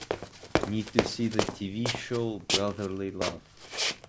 Need to see the TV show Brotherly Love